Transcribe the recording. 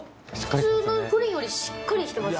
普通のプリンよりしっかりしてます